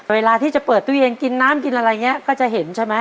เวลาที่จะเปิดตู้เย็นกินน้ำกินอะไรอย่างนี้ก็จะเห็นใช่ไหม